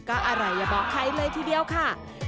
ก็อร่อยอย่าบอกใครเลยทีเดียวค่ะ